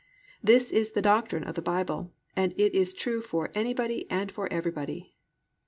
This is the doctrine of the Bible, and it is true for anybody and for everybody.